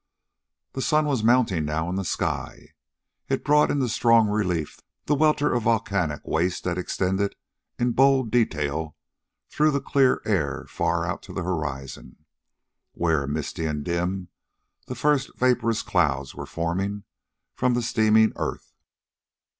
The sun was mounting now in the sky. It brought into strong relief the welter of volcanic waste that extended in bold detail through the clear air far out to the horizon, where, misty and dim, the first vaporous clouds were forming from the steaming earth.